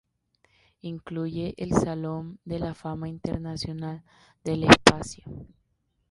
Incluye el Salón de la Fama Internacional del Espacio.